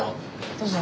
どうぞ。